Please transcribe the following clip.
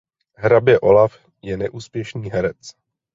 Hrabě Olaf je neúspěšný herec.